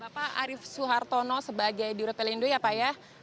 bapak arief suhartono sebagai dirut pelindo ya pak ya